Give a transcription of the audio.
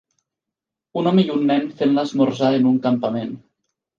Un home i un nen fent l'esmorzar en un campament.